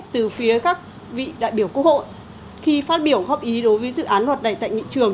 từ phía các vị đại biểu quốc hội khi phát biểu góp ý đối với dự án luật đầy tệ nghị trường